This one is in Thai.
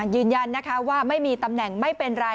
ยืนยันนะคะว่าไม่มีตำแหน่งไม่เป็นไร